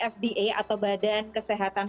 fda atau badan kesehatan